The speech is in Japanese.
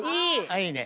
いいね。